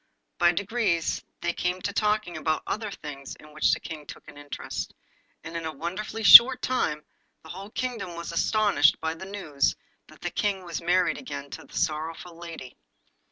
By degrees they came to talking about other things in which the King took an interest, and in a wonderfully short time the whole kingdom was astonished by the news that the King was married again to the sorrowful lady.